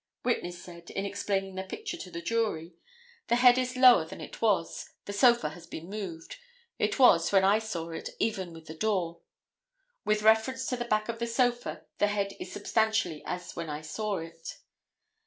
Witness said, in explaining the picture to the jury—"The head is lower than it was; the sofa has been moved; it was, when I saw it, even with the door. With reference to the back of the sofa the head is substantially as when I saw it.